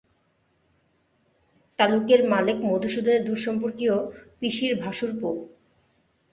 তালুকের মালেক মধুসূদনের দূরসম্পর্কীয় পিসির ভাশুরপো।